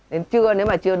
đến trưa nếu mà chưa có